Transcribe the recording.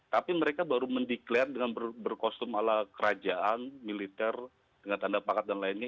tapi mereka baru mendeklarasi dengan berkostum ala kerajaan militer dengan tanda pakat dan lainnya